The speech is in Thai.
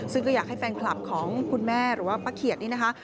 ซึ่งก็อยากให้แฟนคลับของคุณแม่หรือว่าป้าเขียดนี่นะคะ